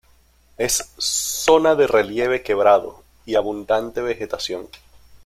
Es zona de relieve quebrado y abundante vegetación.